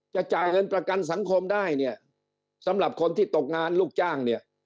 จ่ายเงินประกันสังคมได้เนี่ยสำหรับคนที่ตกงานลูกจ้างเนี่ย